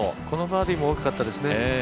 このバーディーも大きかったですね。